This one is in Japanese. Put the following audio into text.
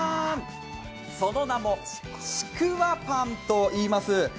その名もちくわパンといいます。